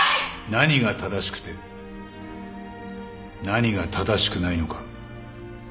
何が正しくて何が正しくないのか。